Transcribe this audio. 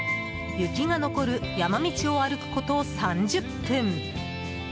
雪が残る山道を歩くこと３０分。